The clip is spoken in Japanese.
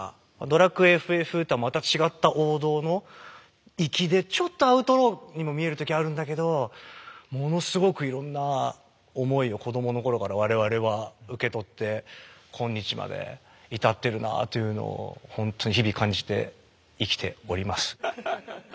「ドラクエ」「ＦＦ」とはまた違った王道の粋でちょっとアウトローにも見える時あるんだけどものすごくいろんな思いを子供の頃から我々は受け取って今日まで至ってるなあというのをほんと日々感じて生きております。